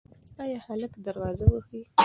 ایا هلک دروازه وهي؟